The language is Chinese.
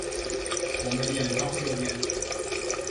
我们演唱会见！